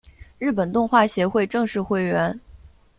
日本动画协会正式会员。